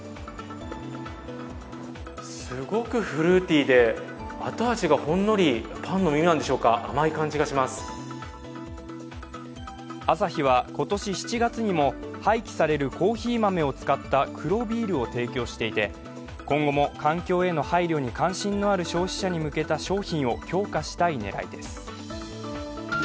すごくフルーティーで後味がほんのりパンの耳なんでしょうかアサヒは今年７月にも廃棄されるコーヒー豆を使った黒ビールを提供していて今後も環境への配慮に関心のある消費者に向けた商品を強化したい狙いです。